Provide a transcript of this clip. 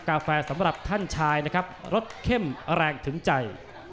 กาแฟสำหรับท่านชายนะครับรสเข้มแรงถึงใจ